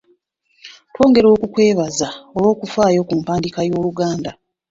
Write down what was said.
Twongera okukwebaza olw'okufaayo ku mpandiika y'Oluganda.